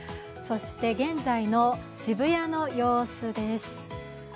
現在の渋谷の様子です。